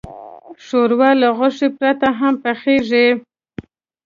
ښوروا له غوښې پرته هم پخیږي.